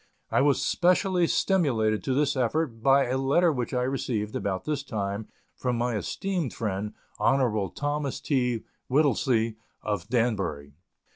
I was specially stimulated to this effort by a letter which I received, about this time, from my esteemed friend, Hon. Thomas T. Whittlesey, of Danbury.